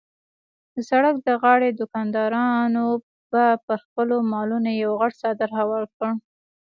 د سړک د غاړې دوکاندارانو به پر خپلو مالونو یو غټ څادر هوار کړ.